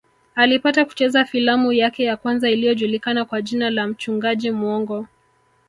Alipata kucheza filamu yake ya kwanza iliyojulikana kwa jina la mchungaji muongo